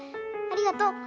ありがと。